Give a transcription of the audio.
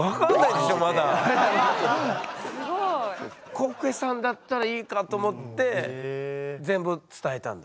コッフェさんだったらいいかと思って全部伝えたんだ。